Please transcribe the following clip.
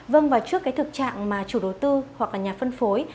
vâng và trước cái thực trạng mà chủ đối tư hoặc là nhà phân phối